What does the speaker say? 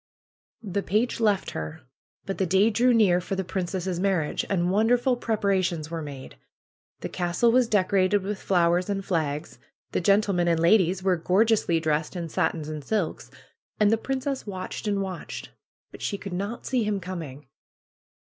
'^The page left her. But the day drew near for the princess' marriage, and wonderful preparations were made. The castle was decorated with flowers and flags. The gen tlemen and ladies were gorgeously dressed in satins and silks. And the princess watched and watched; but she could not see him coming."